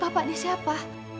bapak ini siapa